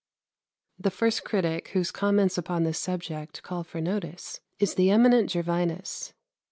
84. The first critic whose comments upon this subject call for notice is the eminent Gervinus.